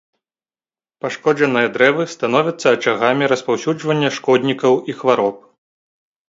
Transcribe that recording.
Пашкоджаныя дрэвы становяцца ачагамі распаўсюджвання шкоднікаў і хвароб.